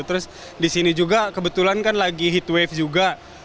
terus di sini juga kebetulan kan lagi heat wave juga